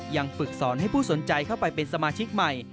ฝึกสอนให้ผู้สนใจเข้าไปเป็นสมาชิกใหม่